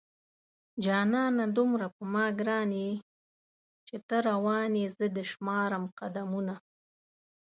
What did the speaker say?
جانانه دومره په ما گران يې چې ته روان يې زه دې شمارم قدمونه